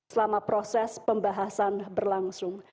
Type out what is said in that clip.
selama proses pembahasan berlangsung